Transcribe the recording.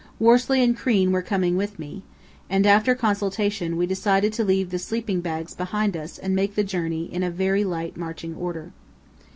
Worsley and Crean were coming with me, and after consultation we decided to leave the sleeping bags behind us and make the journey in very light marching order.